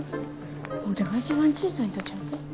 ワテが一番小さいんとちゃうか？